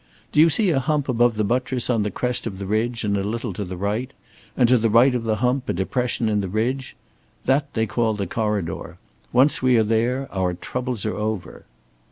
"Do you see a hump above the buttress, on the crest of the ridge and a little to the right? And to the right of the hump, a depression in the ridge? That's what they call the Corridor. Once we are there our troubles are over."